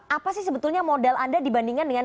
apa sih sebetulnya modal anda dibandingkan dengan